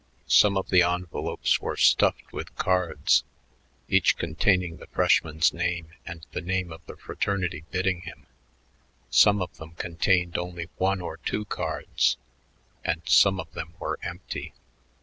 Some of the envelopes were stuffed with cards, each containing the freshman's name and the name of the fraternity bidding him; some of them contained only one or two cards and some of them were empty.